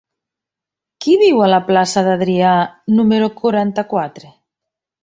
Qui viu a la plaça d'Adrià número quaranta-quatre?